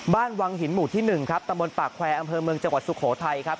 วังหินหมู่ที่๑ครับตะบนปากแควร์อำเภอเมืองจังหวัดสุโขทัยครับ